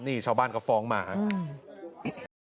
นี่ชาวบ้านก็ฟ้องมาครับ